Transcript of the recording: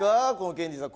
ケンティーさん